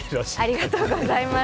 ありがとうございます。